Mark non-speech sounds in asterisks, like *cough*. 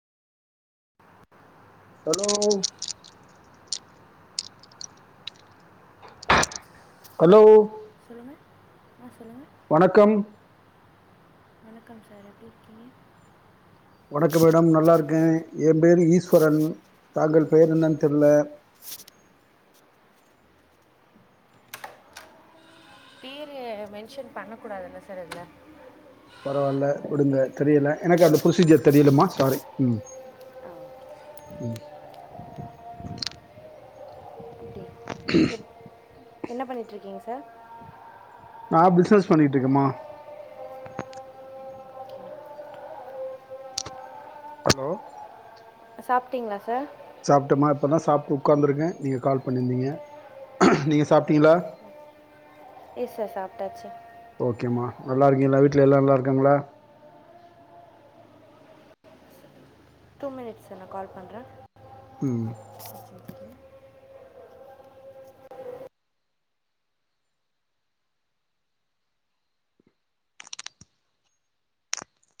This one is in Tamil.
ஹலோ அலோ சொல்லுங்கள் ஆ சொல்லுங்க வணக்கம் க்கம் சார் எப்டி இருக்கீங்க வணக்கம் மேடம் நல்லாருக்கே எம்பேரு ஈஸ் வரன் தாங்கள் பேர் என்னன் தெர்ல பேரு மென்ஷன் பண்ண கூடாதுல்ல சார் இதுல பரவால்ல விடுங்க தெரியல எனக்கு அந்த புரொசீஜர் தெரியலம்மா சாரி உம் உம் எப்படி எப் என்ன *inaudible* நா பிஸ்னஸ் பண்ணிட்ருக்கேமா ஹலோ சாப்ட்டீங்களா சார் சாப்ட்டேமா இப்ப தா சாப்ட்டு உக்காந்துருக்கே நீங்க கால் பண்ணிருந்தீங்க நீங்க சாப்ட்டீங்களா எஸ் சார் சாப்ட்டாச்சு நல்லாருக்கீங்களா வீட்ல எல்லாரு நல்லாருக்காங்களா டூ மினிட்ஸ் சார் நா கால் பண்றே உம் *inaudible*